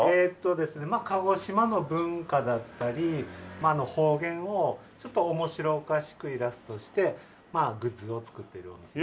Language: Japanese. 鹿児島の文化だったり方言をちょっと面白おかしくイラストしてグッズを作っているお店。